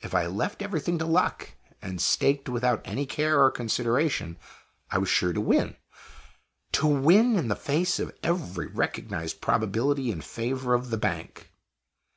If I left everything to luck, and staked without any care or consideration, I was sure to win to win in the face of every recognized probability in favor of the bank.